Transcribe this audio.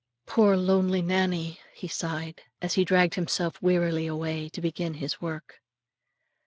"Poor lonely Nannie!" he sighed, as he dragged himself wearily away to begin his work.